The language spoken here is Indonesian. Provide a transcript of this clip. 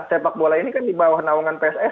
sepak bola ini kan di bawah naungan pssi gitu